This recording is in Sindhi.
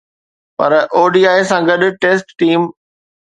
پر ODI سان گڏ، ٽيسٽ ٽيم